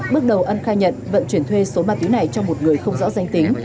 bước đầu ân khai nhận vận chuyển thuê số ma túy này cho một người không rõ danh tính